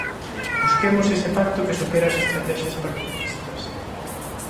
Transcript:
Busquemos ese pacto que supere as estratexias partidistas.